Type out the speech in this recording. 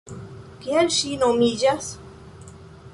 Kiel ŝi nomiĝas?